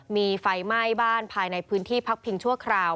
มีไฟไหม้บ้านภายในพื้นที่พักพิงชั่วคราว